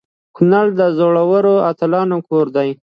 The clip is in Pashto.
کنړ د زړورو اتلانو کور دی.